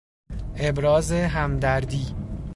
ابراز همدردی